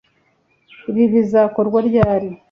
Ibi bizakorwa ryari